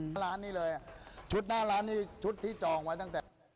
ร้านนี้เลยชุดหน้าร้านนี้ชุดที่จองไว้ตั้งแต่